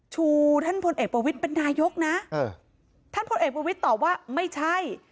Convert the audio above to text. ชูท่านพลเอกประวิทย์เป็นนายกนะท่านพลเอกประวิทย์ตอบว่าไม่ใช่